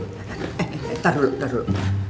eh eh eh tar dulu tar dulu